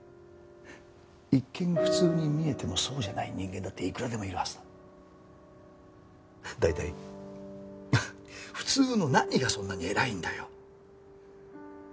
一見普通に見えてもそうじゃない人間だっていくらでもいるはずだ。大体普通の何がそんなに偉いんだよ？